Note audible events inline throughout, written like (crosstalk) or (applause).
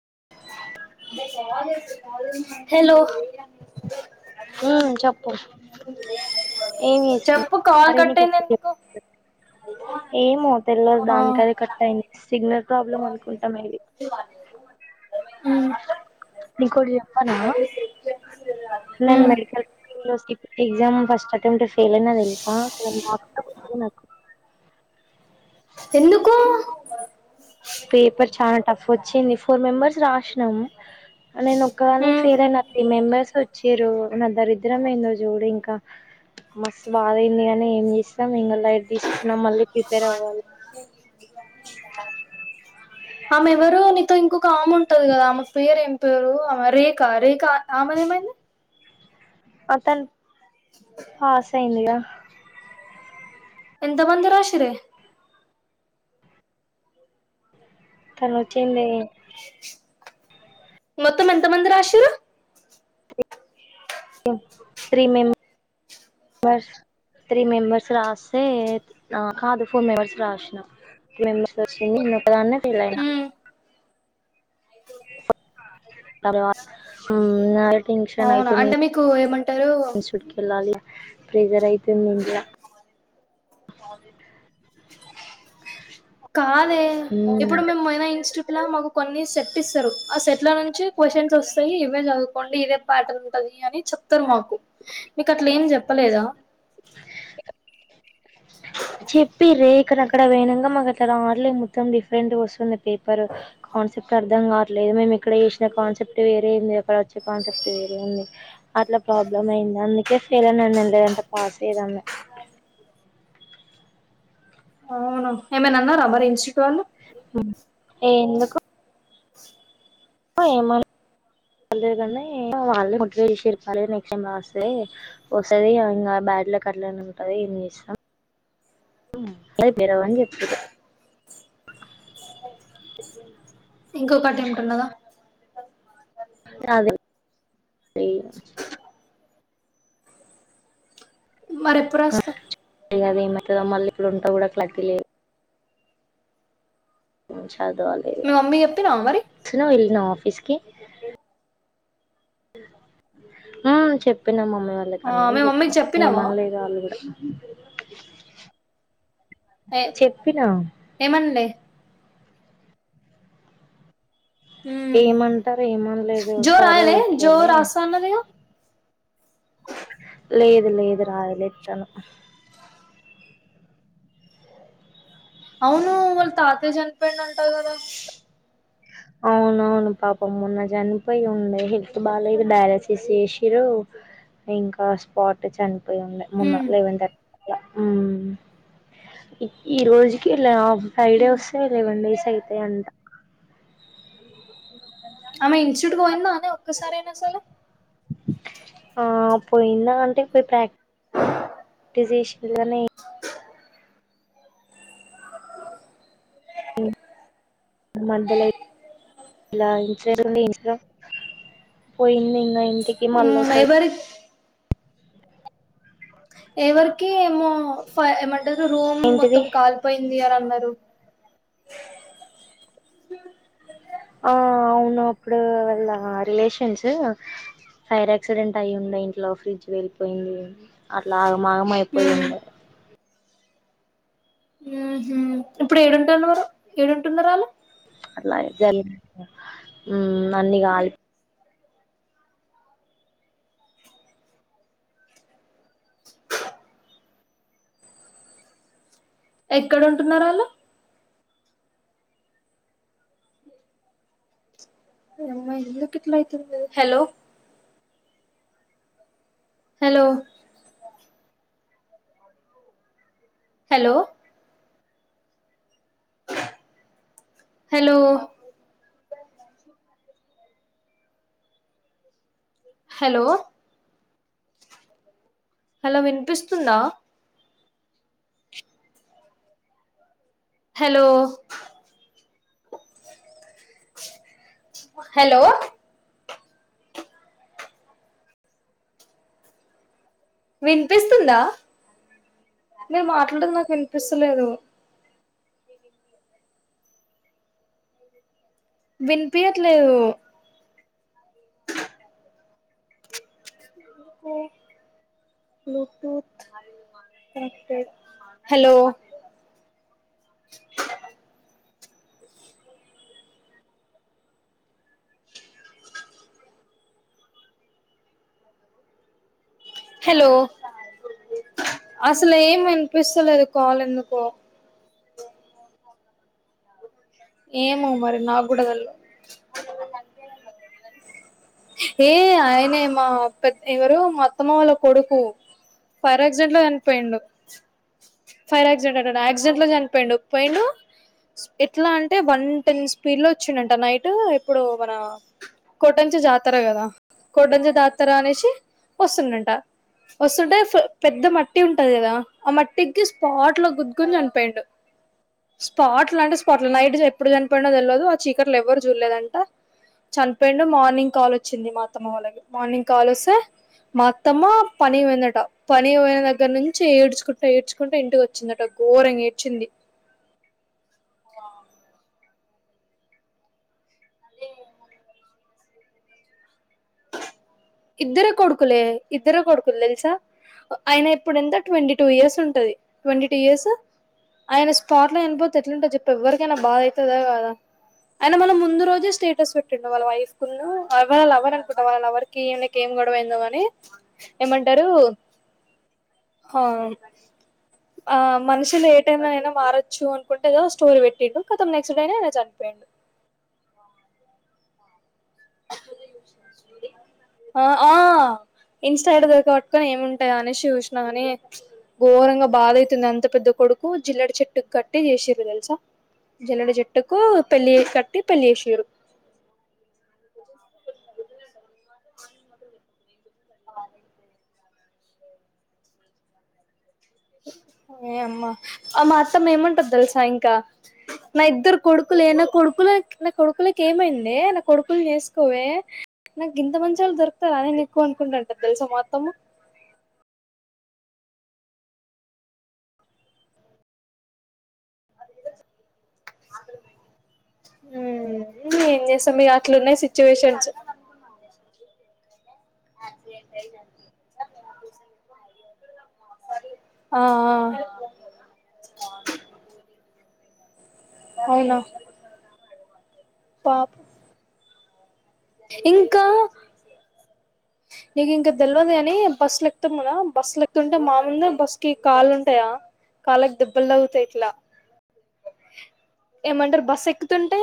(unintelligible) అవ ఇ (unintelligible) హలో (unintelligible) హు చెప్పు ఏమి చేస్తున్నావ్ చెప్పు కాల్ అరె కట్ నీకు అయింది ఒక ఎందుకు చెపుతాను ఏమో తెల్ల ఆ. దానికదే కట్టయింది సిగ్నల్. ప్రాబ్లం అనుకుంటాం మెబి (unintelligible) ఉమ్. ఉమ్. నకుడి అమ్మనా నన్ మెడిల్ యనివర్సిటీ ఎజ ఫట చేల అదలి ఎందుకో పేపర్ చాలా టఫ్ వచ్చింది ఫోర్ మెంబర్స్ రాసినము నేను ఒకక్కవేళ ఉమ్. ఫెర్ అయినా త్రీ మెంబెర్స్ వచ్చారు మ దరిద్రమైందో చూడు ఇంకా మస్తు బాగాయింది ని ఏం చేస్తాం ఇం ఆమె ఎవరు నీతో ఇంకో ఆమె ఉంటది కదా ఆమె పేరు ఏం పేరు ఆమె రేఖ రేఖ ఆమెది ఏమైంది అతను పాసైందిగా ఎంత మంది రాశరే తర్ వచ్చింది త్రీ మత్తం ఎంత మందిర రాశ త్రీ మెంెంబర్ త్రీ మెంబెర్స్ రాస్తే కాదు ఫోర్ మెంబెర్స్ రాసిన త్రూ మెంబెర్స్ వచ్చింది ఇన్నొకదాన్ని అయిన ఉమ్. ఉమ్ అవునా అంటే మీకు ఏమంట ఇన్స్టిట్యూట్ కీ ఏళ్లలో ప్రెజర్ అయితే నింద కాదే ఇప్పుడు మేము మనా ఇన్స్టిట్యూట్ లో మాకు కొన్ని సెట్ ఇస్తారు ఆ సెట్ లో నుంచి క్వశ్చన్స్ వస్తాయి చదువుకోండి ఇదే బ్యాటర్ ఉంటది అని చెప్తారు మాకు మీకు అట్లే ఏం చెప్పలేదా చెప్పి రేఖను అక్కడ వేనంగా ట్లా ఆట్ల రావట్లే మొత్తం డిఫరెంట్ గా వస్తున్నాయి పేపర్ కన్స అర్థం కావట్లేదు మేము ఇక్కడ చేసిన కాన్సెప్ట్ వేరేంది అక్కడ వచ్చే కాన్సెప్ట్ వేరే ఉంది అట్లా ప్రాబ్లమ్ అయింది అందుకే ఫెయిల్ అనిందండి లేదంటే పాస్ అయదామ్మా అవును ఏమ నన్నార మరి ఇన్స్ ఏ ఎందు క్క ఏమ కా వాళ్ళే చెర్పాలి నెక్స్ట్ టైం రాస్తే వస్తుంది ఇంకా బ్యాటలోకి అట్లానే ఉంటుంది ఏమి చేస్తాం అదే పేరవ్వని చెప్ ఇంకొకటి ఏంటన్నదా అదే మరెప్పుడస్తవ్ అదే ఏమైతదో మళ్ళీ ఇక్కడు ఉంటా కూడా క్లారిటీలేదు అవు మీ మమ్మీ చెప్పినావా మరి అచ్చినవ్ ఎల్లినవ ఆఫీస్ మ్మ్ చెప్పిన మా మమ్మికి వాళ్ళకి ఆ అందని మీ చెప్పిన మమ్మీకి చెప్పినావా ఏమనలేదు వాళ్ళు కూడా ఏ చెప్పినా ఏమనలే ఉమ్ ఏమంటరు ఏమనలేదు జో సరే రాయలే జో ఓకేలే రాస్తా అన్నదిగా లేదు లేదు రాయలేదు తను అవును వాళ్ళ తాతెయ్ చనిపోయిన తెల్వదే అవున అవును పాపం మొన్న చనిపోయి ఉండె హెల్త్ బాలేదు డయాలసిస్ చేశిర్రు ఇంకా స్పాట్ చనిపో పోయిండే మొన్న ఉమ్ లెవెన్ థర్టీ ఉమ్ ఈ రోజుకిలా ఫ్రై డే వస్తే లెవెన్ డేస్ అయితయంట ఆమె ఇన్స్టిట్యూట్ పోయిందానే ఒక్కసారైన అసలు ఆ పోయిందా అంటే పోయి ప్రాక్ ప్రాక్టీస్ చేశిల్లు గని మధ్యలో ఇలా ఇ ఇ పోయింది ఇంగ ఇ ఉమ్మ్ ఎవరి ఎవరికి ఏమో ఫైవ్ం ఏమన్ అ రూమ్ మొత్తం ఏంటిది కాలిపోయింది అనన్నది ఆ అవునప్పుడు వాళ్ళ రిలేషన్స్ ఫైర్ ఆక్సిడెంట్ అయ్యుండే ఇంట్లో ఫ్రిడ్జ్ వెళ్ళిపోయింది అట్లా మాగమపోయి మ్మ్ ఉండే ఉహు ఇప్పుడు ఏడుంటునరు ఏడుంటున్నారాళ్లు అట్లా జలిగి ఉమ్మ్ అన్ని కాలిపోయి ఎక్కడుంటున్నారు ఆళ్ళు నీఅమ్మ ఎందు కిట్లయితుంది ఇది hello hello hello hello hello hello వినిపిస్తుందా హలో హలో వినిపిస్తుందా? మీరు మాట్లాడేది నాకు వినిపిస్తలేదు వినిపయట్లేదు హలో హలో అసలు ఏం వినిపిస్తలేదు కాల్ ఎందుకో ఏమో మరి నాక్గుడద తెలేవాడ్ ఏ ఆయనే మా పెద్ద ఎవరు మత్తమ్మ వాళ్ళ కొడుకు ఫైర్ యాక్సిడెంట్ లో చనిపోయిండు ఫైర్ యాక్సిడెంట్ అంట యాక్సిడెంట్ లో చనిపోయిడు పోయిండు ఎట్లా అంటే వన్ టెన్ స్పీడ్ లో వచ్చిండంట నైట్ ఇప్పుడో మన కొటంచ జాతర కదా కోటంచ జాతర అనేసి వస్తుండంట వస్తుంటే పెద్ద మట్టి ఉంటది కదా ఆ మట్టికి స్పాట్ లో గుదికోని చనిపోయిడు స్పాట్ అంటే స్పాట్ నైట్ ఎప్పుడు చనిపోయిండుో తెల్లదు ఆ చీకటిలో ఎవ్వరు చూడలేదంట చనిపోయిండు మార్నింగ్ కాల్ వచ్చింది మాత్తమ్మ వాళ్ళకి మార్నింగ్ కాల్ వస్తే మాత్తమ్మ పని పోయిందట పని పోయిన దగ్గర నుంచి ఏడ్చుకుంట ఏడ్చుకుంట ఇంటికి వచ్చిందట ఘోరంగా ఏడ్చింది అదే ఇద్దరే కొడుకులే ఇద్దరే కొడుకులు తెలుసా ఆయన ఇప్పుడు ఎంత ట్వంటీ టూ ఇయర్స్ ఉంటది ట్వంటీ టూ ఇయర్స్ ఆయన స్పాట్ లో చనిపోతే ఎట్లుంటో చెప్ప ఎవ్వరికైనా బాధ అయితదా కదా ఆయన మనళ ముందు రోజే స్టేటస్ పెట్టిండడు వాళ్ళ వైఫ్ కు వాళ్ళ లవర్ అనుకుంటా వాళ్ళ లవర్ కి ఏం గొడవైందో అని ఏమంటారు ఆ మనుషులు ఏటైనాైనా మారొచ్చు అనుకుంటేదో స్టోర పెట్టిండు ఖతం నెక్స్ట్ డై అయి చనిపోయాండు ఆ ఆ ఇన్స్టే దక పట్టుకొని ఏమింటాయా అనే చూసినా కాని ఘోరంగా బాధ అయితుంది అంత పెద్ద కొడుకు జిల్లడి చెట్టుకు కట్టి చేసిరు తెలుసా జిల్లడి చెట్టుకు పెళ్ళి కట్టి పెళ్ళి చేసిరు (inaudible) ఏ అమ్మా ఆ మా అత్తమ ఏమంటది తెలుసా ఇంకా నా ఇద్దరు కొడుకులు నా కొడుకుల నా కొడుకులకి ఏమైంది నా కొడుకులు చేేసుకోవే నాకు ఇంత మంచి వాళ్ళ దొరుకుతారా నే నీకు అనుకుంటాంటది తెలుసా మా అత్తమ ఊమ్ ఇగ ఏం చేస్తాం ఇగ అట్లున్నాయి సిచ్యువేషన్స్ స ఆ ఆ అవునా పాపు ఇంకా నీకు ఇంకా తెలివదు కాని బస్సులు ఎక్తాం మద బస్సులు ఎక్తుంటే మామంద బస్ కి కాళ్లుు ఉంటాయా కాళ్కి దెబ్బలు తగుతాయి ఇట్లా ఏమంటారు బస్ ఎక్కుతుంటే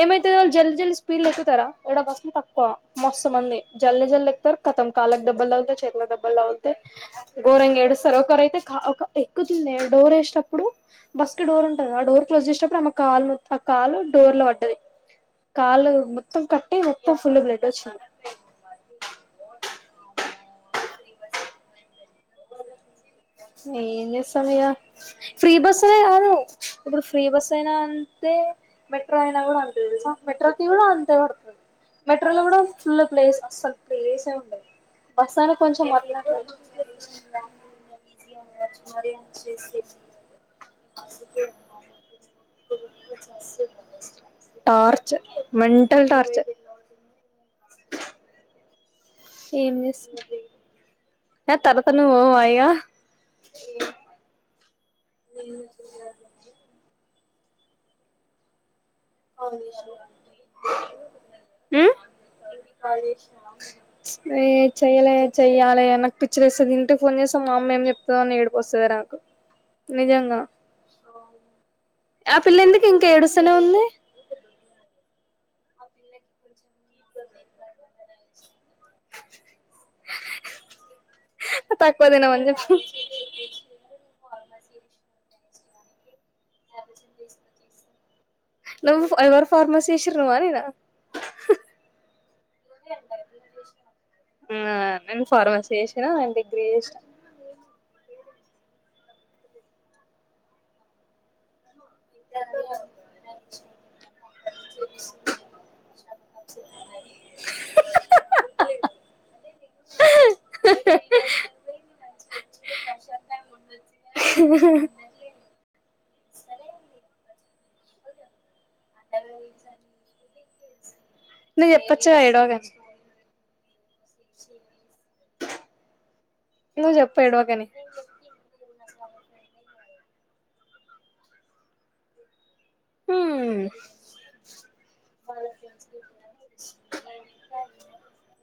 ఏమైతు వాళ్ళు జల్ది జల్దీ స్పీడ్లు ఎక్కుతారా ఈడ బస్లు తక్కువ మొస్తు మంది జల్ జల్లు ఎక్కుతారు కతం కాళ్ళకు డబ్బలు తగుతాయి చేతులకు డబ్బలు అగుతా ఘోరంగా ఏడుస్తారు ఒకరుైతే క ఎక్కుతుందే డోర్ ఏష్ టప్పుడు బస్ క డోర్ ఉంటంది ఆ డోర్ క్లోజ్ చేసేటప్పుడు ఆమె కాలు ఆ కాలు డోర్ లో పడ్డది కాలు మొత్తం క ఏ వత ఫుల్ బ్లడోచింది ఏం చేస్తాం ఇగ ఫ్రీ బస్ కాదు ఇప్పుడు ఫ్రీ బస్ అయినా అంతే మెట్రో ఏంచేస్తమింగ ఫ్రీ బస్ అనేకదు ఎపుడు అయినా కూడా అంతె తెలుసా మెట్రోకి కూడా అంతే పడుతుంది మెట్రోలో కూడా ఫుల్ ప్లేస్ అస్సలు ప్లేస ఉండదు బస్ అయినా కొంచెం అట్ల అట్లా ఈజీ ఉు మరి టార్చర్ మెంటల్ టార్చర్ ఏం చేస్తుంది ఏ తరతను ఒ యిగా అ ఉమ్ ఏ చెయ్యలే చెయ్యాలి అ నాకు పిచ్చర్స్తుంది ఇంటికి ఫోన్ చేసా మా అమ్మ ఏం చెప్తంద అని ఏడిపోస్తది నాకు నిజంగా ఆ పిల్ల ఎందుకు ఇంకా ఏడుసనే ఉంది తకుపదినమని చెప్పు ఎ చి తీ నువ్ ఎవరు ఫార్మసి చేసిండ్రు నువ నేనా ఉహ్ ఆ నువ్ ఫార్మసి చేసిన నువ్ డిగ్రీ చే ఆహ్ హ హ హ హ్హ హ హ ఆహ్ ఊహ్హ్ హ్హ నువ్వు చెప్పొచ్చు కదా ఏడవకని సు నువ్వు జప్ప ఏడవాకని హమ్